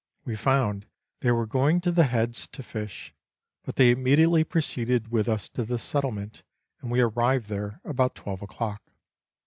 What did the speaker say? We found they were going to the Heads to fish; but they immediately proceeded with us to the settle ment, and we arrived there about twelve o'clock.